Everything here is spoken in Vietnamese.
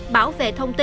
bảo vệ thông tin